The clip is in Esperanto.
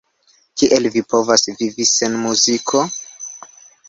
Kiel vi povas vivi sen muziko?